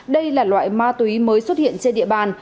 đây là loại ma túy mới xuất hiện trên địa bàn